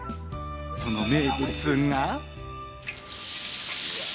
その名物が。